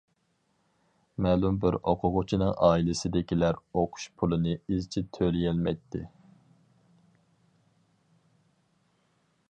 مەلۇم بىر ئوقۇغۇچىنىڭ ئائىلىسىدىكىلەر ئوقۇش پۇلىنى ئىزچىل تۆلىيەلمەيتتى.